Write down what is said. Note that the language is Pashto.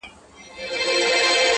تا ښخ کړئ د سړو په خوا کي سپی دی,